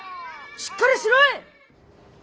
しっかりしろ！